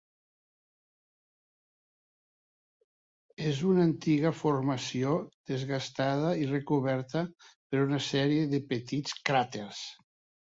És una antiga formació, desgastada i recoberta per una sèrie de petits cràters.